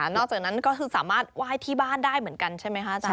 นอกจากนั้นก็สามารถว่ายที่บ้านได้แล้ว